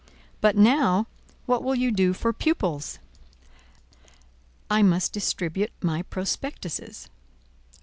But now, what will you do for pupils?" "I must distribute my prospectuses."